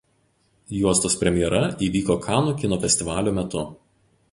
Juostos premjera įvyko Kanų kino festivalio metu.